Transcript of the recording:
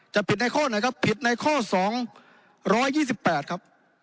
แต่ผิดในข้อหนึ่งครับผิดในข้อสองร้อยยี่สิบแปดครับ